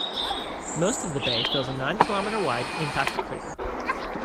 Most of the bay fills a nine kilometer wide impact crater.